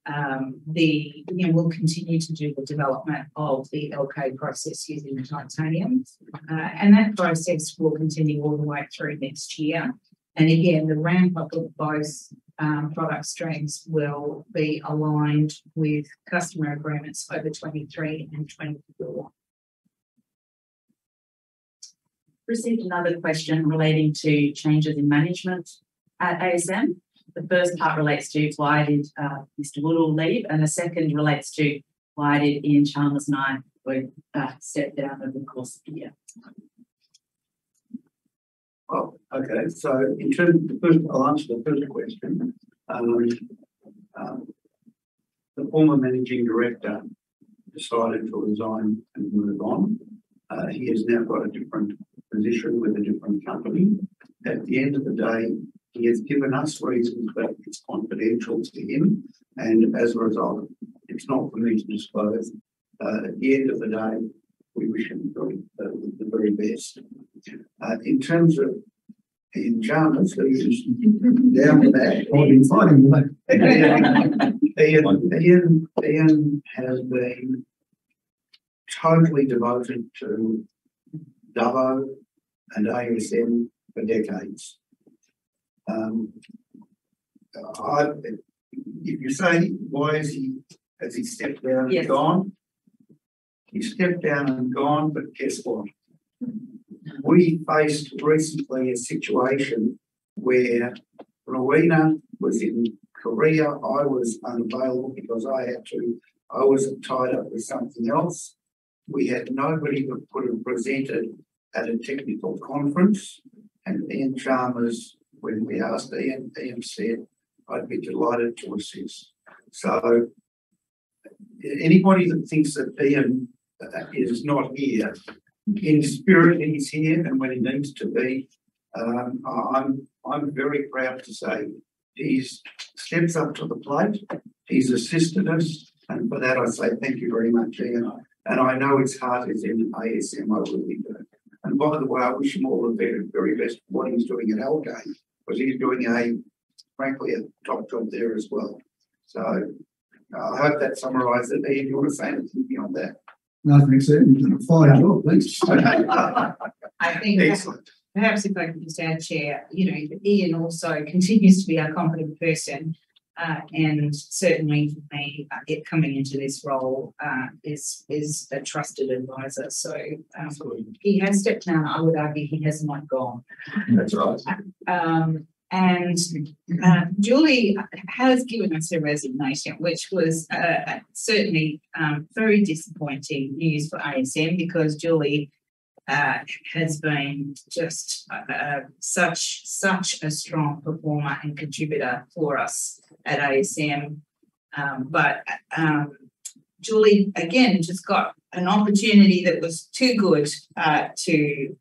you know, we'll continue to do the development of the LK Process using the titanium. That process will continue all the way through next year. Again, the ramp up of those product streams will be aligned with customer agreements over 2023 and 2024. Received another question relating to changes in management at ASM. The first part relates to why did David Woodall leave, and the second relates to why did Ian Chalmers and I were stepped down over the course of the year. In terms of the first, I'll answer the first question. The former managing director decided to resign and move on. He has now got a different position with a different company. At the end of the day, he has given us reasons, but it's confidential to him, and as a result, it's not for me to disclose. At the end of the day, we wish him the very best. In terms of Ian Chalmers, who's down the back. I've been finding the way. Ian has been totally devoted to Dubbo and ASM for decades. I, if you say why has he stepped down and gone. Yes. He stepped down and gone, guess what? We faced recently a situation where Rowena was in Korea. I was unavailable because I was tied up with something else. We had nobody that could have presented at a technical conference, Ian Chalmers, when we asked Ian, said, "I'd be delighted to assist." Anybody that thinks that Ian is not here, in spirit, he's here, and when he needs to be, I'm very proud to say he's stepped up to the plate, he's assisted us, and for that, I say thank you very much, Ian. I know it's hard. As in ASM, I really do. By the way, I wish him all the very best in what he's doing at Alkane, because he's doing frankly, a top job there as well. I hope that summarized it. Ian, do you want to say anything beyond that? Nothing, sir. You did a fine job, thanks. Okay. I think- Excellent... perhaps if I could just add, Chair. You know, Ian also continues to be our competent person. Certainly for me, coming into this role, is a trusted Advisor. Absolutely He has stepped down. I would argue he has not gone. That's right. Julie has given us her resignation, which was, certainly, very disappointing news for ASM, because Julie has been just such a strong performer and contributor for us at ASM. Julie, again, just got an opportunity that was too good to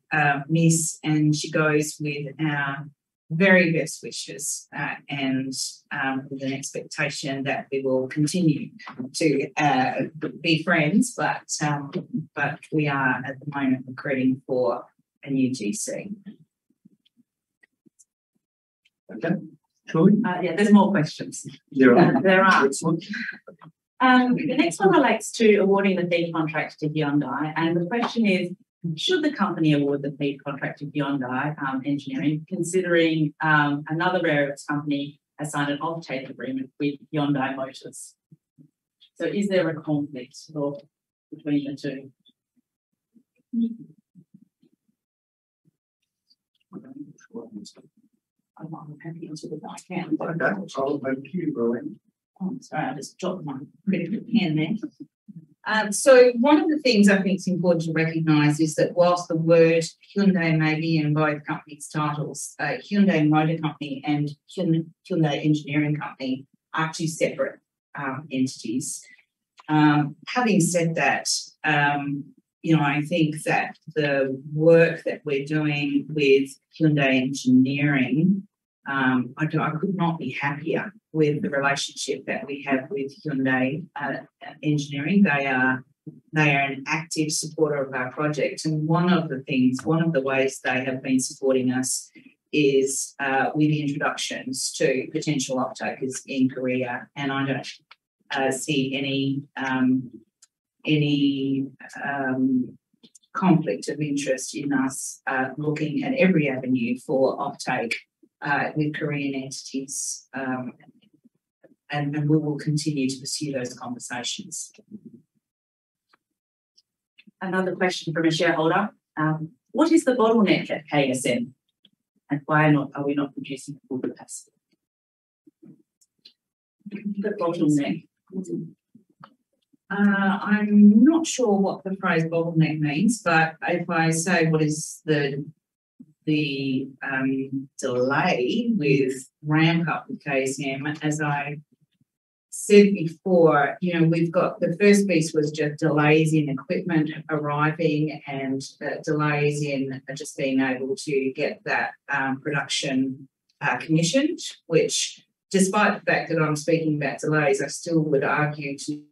miss, and she goes with our very best wishes, and with an expectation that we will continue to be friends. We are at the moment recruiting for a new GC. Okay. Julie? Yeah, there's more questions. There are. There are. Excellent. The next one relates to awarding the FEED contract to Hyundai, and the question is, should the company award the FEED contract to Hyundai Engineering, considering another rare earths company has signed an offtake agreement with Hyundai Motor Company? Is there a conflict at all between the two? I'm happy to answer that. Okay. Over to you, Rowena. I'm sorry, I just dropped my pen there. One of the things I think it's important to recognize is that whilst the word Hyundai may be in both companies' titles, Hyundai Motor Company and Hyundai Engineering Company are two separate entities. Having said that, you know, I think that the work that we're doing with Hyundai Engineering, I could not be happier with the relationship that we have with Hyundai Engineering. They are an active supporter of our project, and one of the things, one of the ways they have been supporting us is with introductions to potential offtakers in Korea, and I don't see any conflict of interest in us looking at every avenue for offtake with Korean entities. We will continue to pursue those conversations. Another question from a shareholder. What is the bottleneck at KSM, and why are we not producing full capacity? The bottleneck. I'm not sure what the phrase bottleneck means, but if I say what is the delay with ramp up with KSM, as I said before, you know, we've got the first piece was just delays in equipment arriving and delays in just being able to get that production commissioned. Which despite the fact that I'm speaking about delays, I still would argue to--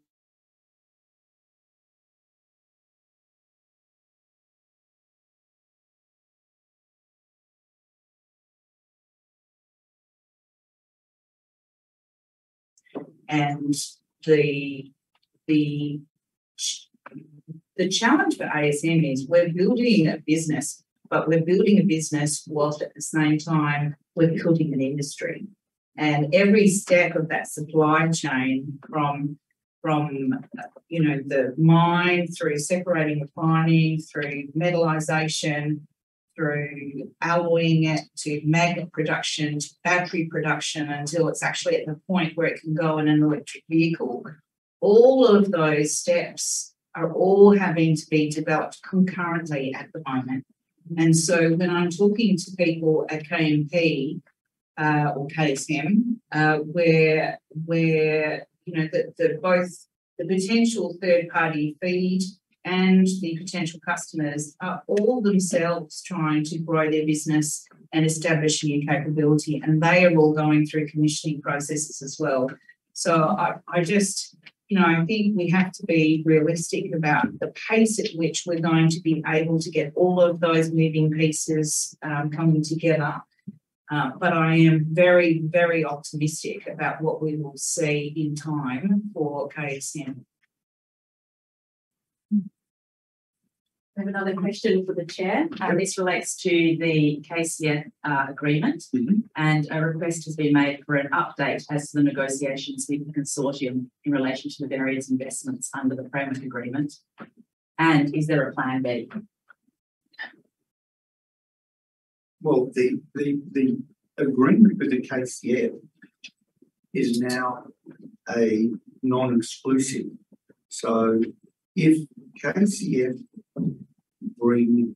The challenge for KSM is we're building a business, but we're building a business whilst at the same time we're building an industry. Every step of that supply chain from, you know, the mine through separating, refining, through metallization, through alloying it, to magnet production, to battery production, until it's actually at the point where it can go in an electric vehicle, all of those steps are all having to be developed concurrently at the moment. When I'm talking to people at KMP, or KSM, where, you know, the, both the potential third party feed and the potential customers are all themselves trying to grow their business and establish new capability, and they are all going through commissioning processes as well. I just, you know, think we have to be realistic about the pace at which we're going to be able to get all of those moving pieces, coming together. I am very, very optimistic about what we will see in time for KSM. We have another question for the chair. Sure. This relates to the KCF agreement. A request has been made for an update as to the negotiations with the consortium in relation to the various investments under the framework agreement. Is there a plan B? Well, the agreement with the KCF is now a non-exclusive. If KCF bring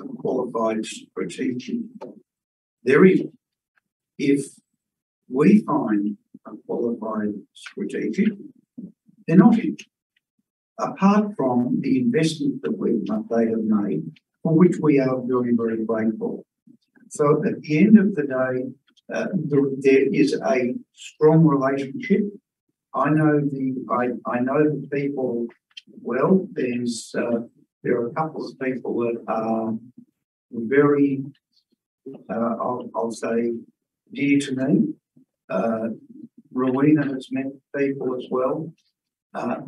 a qualified strategic, they're in. If we find a qualified strategic, they're not in. Apart from the investment that we've, they have made, for which we are very, very grateful. At the end of the day, there is a strong relationship. I know the people well. There's, there are a couple of people that are very, I'll say dear to me. Rowena has met people as well.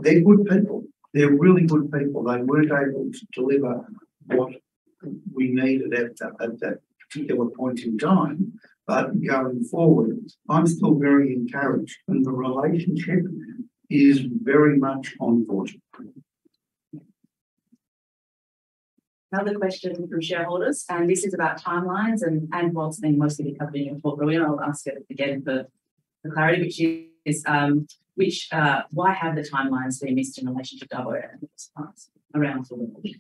They're good people. They're really good people. They weren't able to deliver what we needed at that particular point in time. Going forward, I'm still very encouraged, and the relationship is very much on course. Another question from shareholders. This is about timelines. Anne [inaudible] has been mostly covering them, but Rowena, I'll ask it again for clarity, which is why have the timelines been missed in relation to Dubbo and its parts around for the week?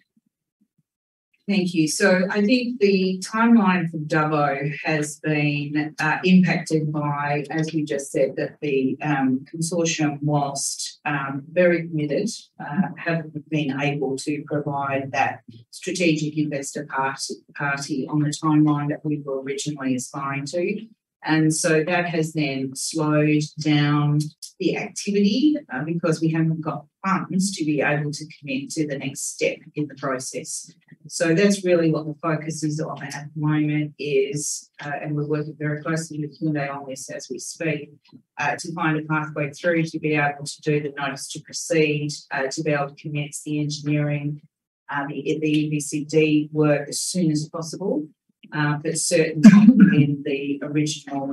Thank you. I think the timeline for Dubbo has been impacted by, as we just said, that the consortium, whilst very committed, haven't been able to provide that strategic investor party on the timeline that we were originally aspiring to. That has then slowed down the activity because we haven't got funds to be able to commit to the next step in the process. That's really what the focus is on at the moment, is, and we're working very closely with Hyundai on this as we speak, to find a pathway through to be able to do the notice to proceed, to be able to commence the engineering, the EPC work as soon as possible, in the original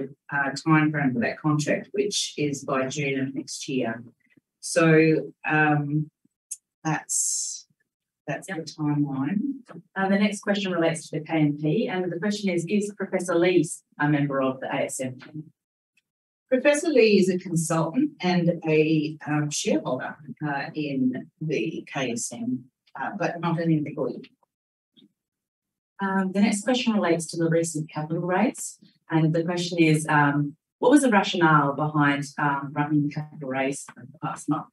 timeframe for that contract, which is by June of next year. That's the timeline. Yeah. The next question relates to the KMP, and the question is Professor Li a member of the ASM team? Professor Li is a consultant and a shareholder in the KSM, but not an employee. The next question relates to the recent capital raise. The question is, what was the rationale behind running the capital raise over the past month?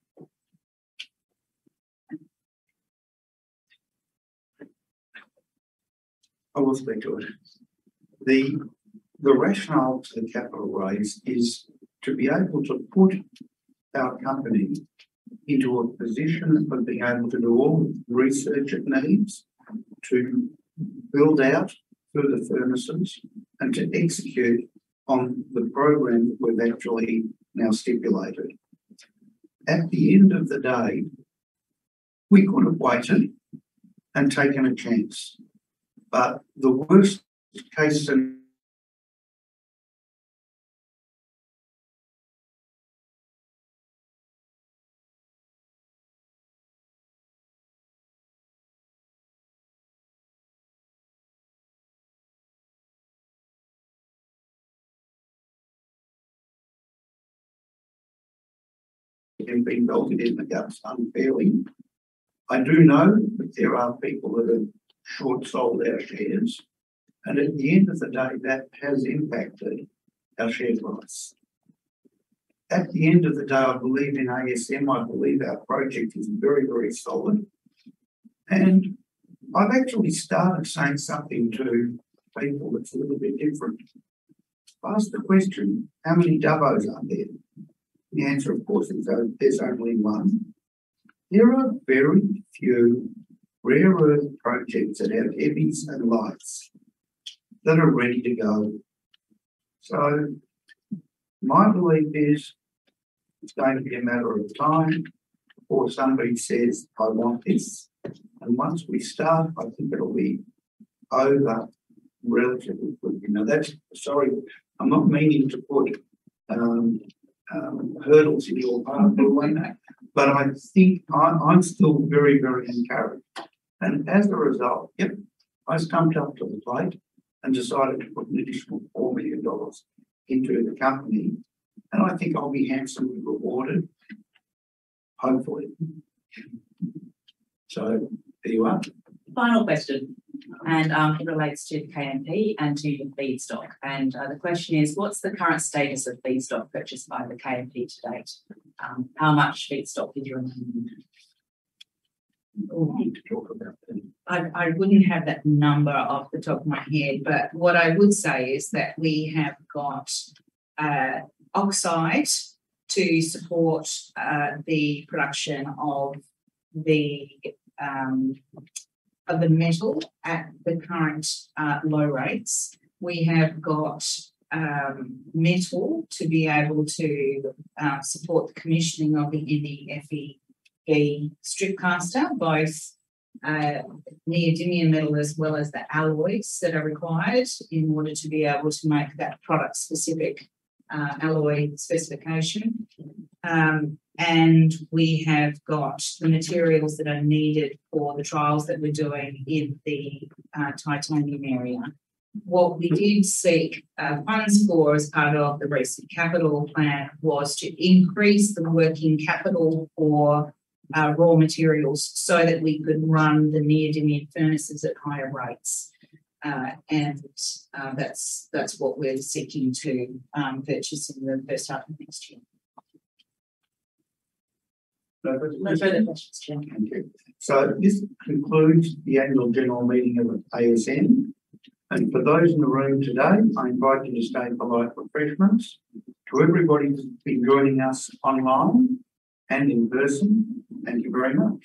I will speak to it. The rationale to the capital raise is to be able to put our company into a position of being able to do all the research it needs to build out further furnaces and to execute on the program we've actually now stipulated. At the end of the day, we could have waited and taken a chance, the worst case have been belted in the guts unfairly. I do know that there are people that have short sold our shares, at the end of the day, that has impacted our share price. At the end of the day, I believe in ASM. I believe our project is very, very solid, and I've actually started saying something to people that's a little bit different. Ask the question, how many Dubbos are there? The answer, of course, is, there's only one. There are very few rare earth projects that have heavies and lights that are ready to go. My belief is, it's going to be a matter of time before somebody says, "I want this." Once we start, I think it'll be over relatively quickly. Sorry, I'm not meaning to put hurdles in your path, Rowena. No. I think I'm still very, very encouraged. As a result, yep, I stumped up to the plate and decided to put an additional $4 million into the company, and I think I'll be handsomely rewarded, hopefully. There you are. Final question. It relates to the KMP and to your feedstock. The question is, what's the current status of feedstock purchased by the KMP to date? How much feedstock have you You'll need to talk about that. I wouldn't have that number off the top of my head, but what I would say is that we have got oxide to support the production of the metal at the current low rates. We have got metal to be able to support the commissioning of the NdFe strip caster, both neodymium metal as well as the alloys that are required in order to be able to make that product-specific alloy specification. We have got the materials that are needed for the trials that we're doing in the titanium area. What we did seek funds for as part of the recent capital plan was to increase the working capital for raw materials so that we could run the neodymium furnaces at higher rates. That's what we're seeking to purchase in the first half of next year. No further questions, Chair. Thank you. This concludes the annual general meeting of ASM, and for those in the room today, I invite you to stay for light refreshments. To everybody who's been joining us online and in person, thank you very much.